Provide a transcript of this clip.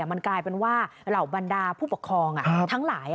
มันกลายเป็นว่าเหล่าบรรดาผู้ปกครองทั้งหลาย